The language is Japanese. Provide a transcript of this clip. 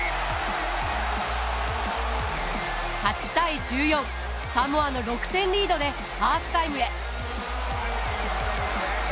８対１４、サモアの６点リードでハーフタイムへ。